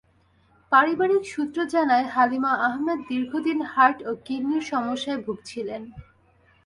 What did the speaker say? পারিবারিক সূত্র জানায়, হালিমা আহমেদ দীর্ঘদিন হার্ট ও কিডনির সমস্যায় ভুগছিলেন।